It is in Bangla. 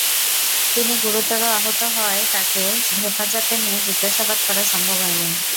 তিনি গুরুতর আহত হওয়ায় তাঁকে হেফাজতে নিয়ে জিজ্ঞাসাবাদ করা সম্ভব হয়নি।